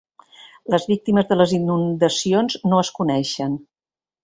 Les víctimes de les inundacions no es coneixen.